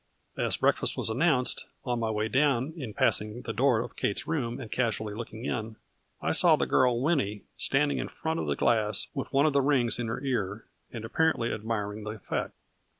As breakfast was announced, on my way down, in passing the door of Kate's room and casually looking in, I saw the girl Winnie standing in front of the glass, with one of the rings in her ear and apparently admiring the effect.